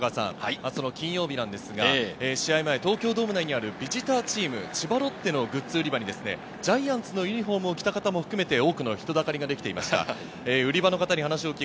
金曜日なんですが、試合前、東京ドーム内にあるビジターチーム、千葉ロッテのグッズ売り場にジャイアンツのユニホームを着た人たちも含めて、人だかりができていました。